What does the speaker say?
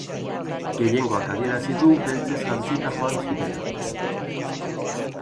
Gehiengoak adierazi du beltzez jantzita joan zirela.